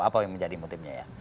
apa yang menjadi motifnya ya